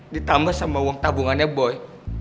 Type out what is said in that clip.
ditambah sama uang tabungannya boy